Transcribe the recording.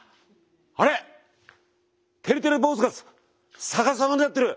あれっ！てるてる坊主が逆さまになってる。